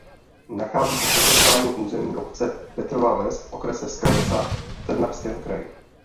Nachází se v katastrálním území obce Petrova Ves v okrese Skalica v Trnavském kraji.